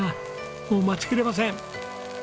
もう待ちきれません！